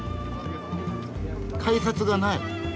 改札がない。